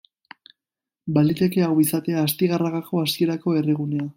Baliteke hau izatea Astigarragako hasierako herrigunea.